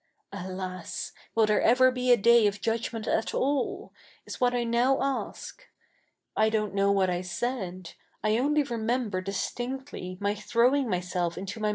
{Alas ! will there ever be a day of judgment at all ? is what I now ask.) I don't knoiv what I said. I only remember dis tinctly my throwing myself ijito my 7?